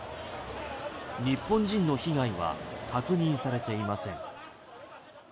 日本人の被害は確認されていません。